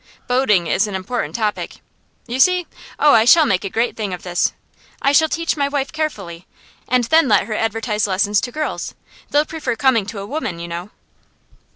Boating is an important topic. You see? Oh, I shall make a great thing of this. I shall teach my wife carefully, and then let her advertise lessons to girls; they'll prefer coming to a woman, you know.